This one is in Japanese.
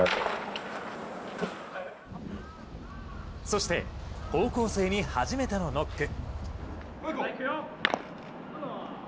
そして、高校生に初めてのノック。